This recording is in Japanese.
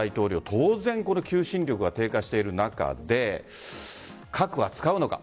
当然、求心力が低下している中で核は使うのか。